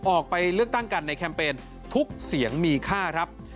ออกไปเลือกตั้งกันในแคมเปญทุกเสียงมีค่าครับ